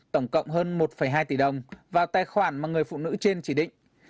tổng cộng hơn một hai tỷ đồng vào tài khoản mà người phụ nữ trên chỉ định